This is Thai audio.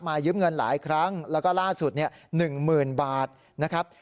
มายืมเงินหลายครั้งแล้วก็ล่าสุด๑หมื่นบาทนะครับ